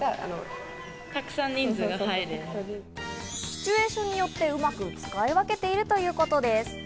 シチュエーションによって、うまく使い分けているということです。